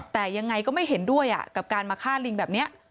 แต่ยังไงก็ไม่เห็นด้วยกับการมาฆ่าลิงแบบนี้